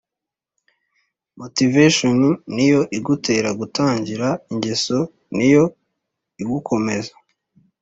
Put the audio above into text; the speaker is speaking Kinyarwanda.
motivation niyo igutera gutangira ingeso niyo igukomeza